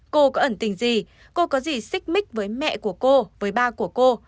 cô có ẩn tình gì cô có gì xích mích với mẹ của cô với ba của cô